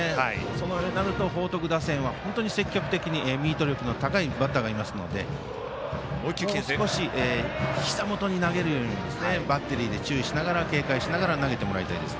そうなると報徳学園は積極的にミート力の高いバッターがいますのでもう少し、ひざ元に投げるようにバッテリーで注意しながら警戒しながら投げてもらいたい。